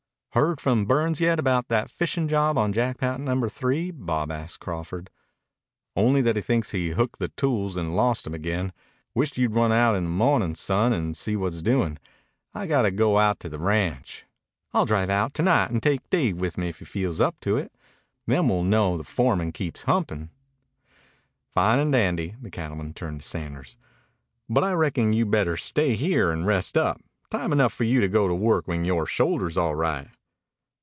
"Heard from Burns yet about that fishin' job on Jackpot Number Three?" Bob asked Crawford. "Only that he thinks he hooked the tools and lost 'em again. Wisht you'd run out in the mo'nin', son, and see what's doin'. I got to go out to the ranch." "I'll drive out to night and take Dave with me if he feels up to it. Then we'll know the foreman keeps humpin'." "Fine and dandy." The cattleman turned to Sanders. "But I reckon you better stay right here and rest up. Time enough for you to go to work when yore shoulder's all right."